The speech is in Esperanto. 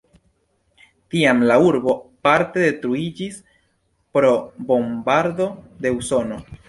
Tiam la urbo parte detruiĝis pro bombardado de Usono.